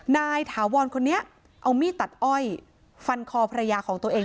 ถาวรคนนี้เอามีดตัดอ้อยฟันคอภรรยาของตัวเอง